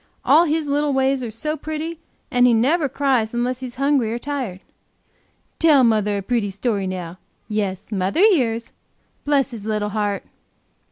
All his little ways are so pretty, and he never cries unless he's hungry or tired. Tell mother a pretty story now; yes, mother hears, bless his little heart!"